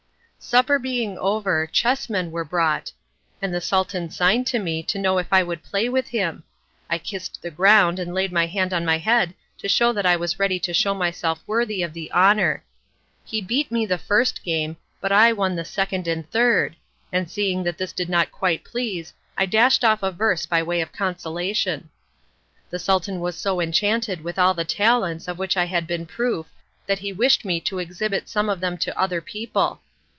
Supper being over chessmen were brought, and the Sultan signed to me to know if I would play with him. I kissed the ground and laid my hand on my head to show that I was ready to show myself worthy of the honour. He beat me the first game, but I won the second and third, and seeing that this did not quite please I dashed off a verse by way of consolation. The Sultan was so enchanted with all the talents of which I had given proof that he wished me to exhibit some of them to other people.